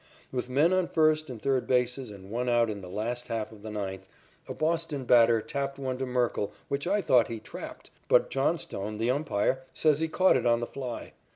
With men on first and third bases and one out in the last half of the ninth, a Boston batter tapped one to Merkle which I thought he trapped, but Johnstone, the umpire, said he caught it on the fly.